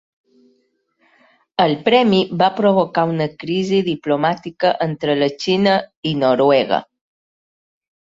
El premi va provocar una crisi diplomàtica entre la Xina i Noruega.